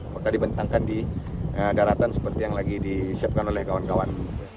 maka dibentangkan di daratan seperti yang lagi disiapkan oleh kawan kawan